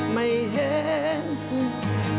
ไม่เห็นสิ่ง